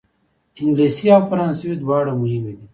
انګلیسي او فرانسوي دواړه مهمې دي.